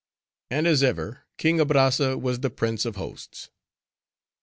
And as ever, King Abrazza was the prince of hosts.